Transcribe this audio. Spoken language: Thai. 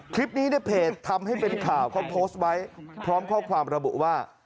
คลิปนี้ในเพจทำให้เป็นข่าวเขาโพสต์ไว้พร้อมข้อความระบุว่า